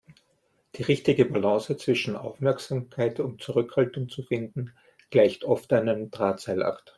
Die richtige Balance zwischen Aufmerksamkeit und Zurückhaltung zu finden, gleicht oft einem Drahtseilakt.